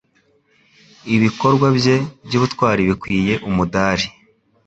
Ibikorwa bye by'ubutwari bikwiye umudari.